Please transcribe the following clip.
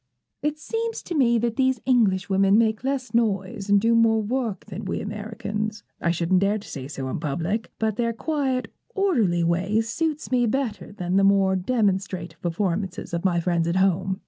'It seems to me that these Englishwomen make less noise and do more work than we Americans. I shouldn't dare to say so in public; but their quiet, orderly ways suits me better than the more demonstrative performances of my friends at home.